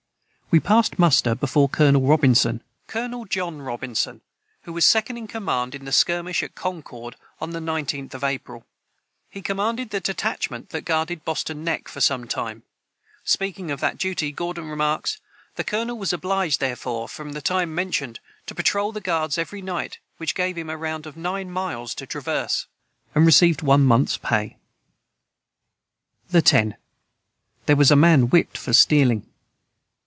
We passed muster Before colonel Robinson and received one months pay. [Footnote 118: Colonel John Robinson, who was second in command in the skirmish at Concord on the 19th of April. He commanded the detachment that guarded Boston neck, for some time. Speaking of that duty, Gordon remarks: "The colonel was obliged, therefore, for the time mentioned, to patrol the guards every night, which gave him a round of nine miles to traverse."] the 10. Their was a man Whiped for Stealing.